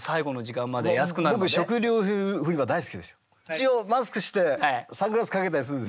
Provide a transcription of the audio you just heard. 一応マスクしてサングラスかけたりするんですよ。